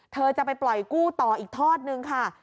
เธอจะไปปล่อยกู้ต่ออีกทอดนึงค่ะ